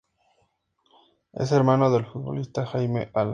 Es hermano del futbolista Jaime Alas.